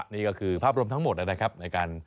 นี่ก็คือภาพรมทั้งหมดในการ